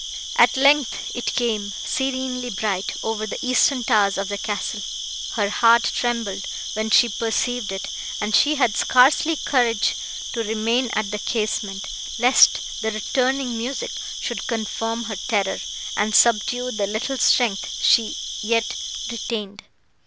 At length, it came, serenely bright, over the eastern towers of the castle. Her heart trembled, when she perceived it, and she had scarcely courage to remain at the casement, lest the returning music should confirm her terror, and subdue the little strength she yet retained.